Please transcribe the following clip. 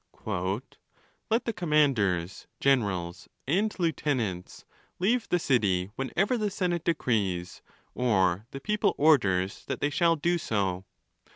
"Let the commanders, generals, and lieutenants, leave the city whenever the senate decrees or the people orders that they shall do so.